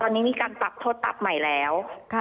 ตอนนี้มีการปรับโทษปรับใหม่แล้ว